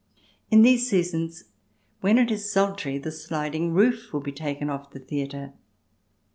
In these seasons, when it is sultry, the sliding roof would be taken off the theatre.